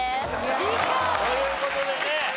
という事でね